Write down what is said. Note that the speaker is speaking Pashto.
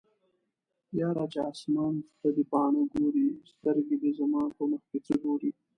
یاره چې اسمان ته دې باڼه ګوري سترګې دې زما په مخکې څه ګوري